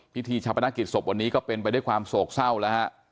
พิธีชาปนกิจศพวันนี้ก็เป็นไปด้วยความโศกเศร้าแล้วฮะ